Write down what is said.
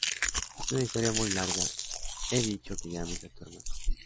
es una historia muy larga. he dicho que llames a tu hermana.